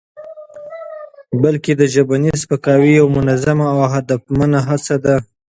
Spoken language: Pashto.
بلکې د ژبني سپکاوي یوه منظمه او هدفمنده هڅه ده؛